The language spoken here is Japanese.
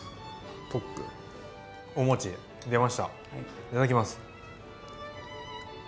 いただきます。